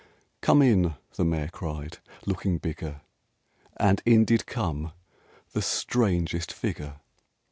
"Come in!" the Mayor cried, looking bigger: And in did come the strangest figure